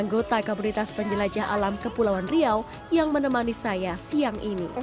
anggota komunitas penjelajah alam kepulauan riau yang menemani saya siang ini